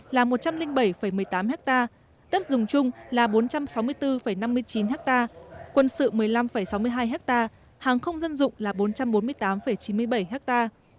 là một trăm linh bảy một mươi tám ha đất dùng chung là bốn trăm sáu mươi bốn năm mươi chín ha quân sự một mươi năm sáu mươi hai ha hàng không dân dụng là bốn trăm bốn mươi tám chín mươi bảy ha